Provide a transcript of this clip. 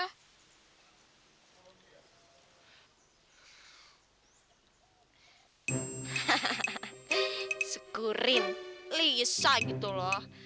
hahaha segurin lisa gitu loh